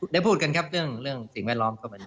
เดี๋ยวพูดกันครับเรื่องสิ่งแวดล้อมเข้ามานี้